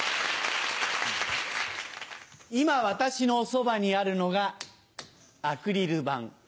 今私のそばにあるのがアクリル板。